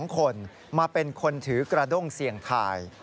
๒คนมาเป็นคนถือกระด้งเสี่ยงทาย